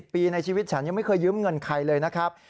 ปีในชีวิตฉันยังไม่เคยยืมเงินใครเลยนะครับ